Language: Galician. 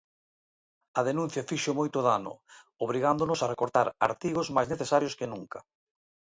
A denuncia fixo moito dano, obrigándonos a recortar artigos máis necesarios que nunca.